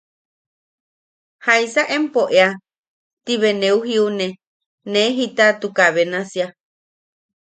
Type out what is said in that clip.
¿Jaisa empo ea? Ti be neu jiune ne jitatuka benasia.